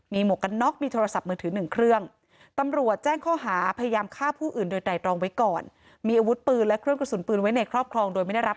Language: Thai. มีหมวกกันน็อกมีโทรศัพท์มือถือ๑เครื่อง